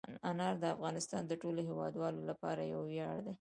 انار د افغانستان د ټولو هیوادوالو لپاره یو ویاړ دی.